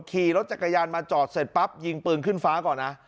ขี่รถจักรยานมาจอดเสร็จปั๊บยิงปืนขึ้นฟ้าก่อนนะ